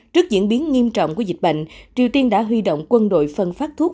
trước diễn biến nghiêm trọng của dịch bệnh triều tiên đã huy động quân đội phân phát thuốc